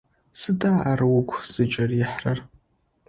Сыда ар угу зыкӀырихьрэр?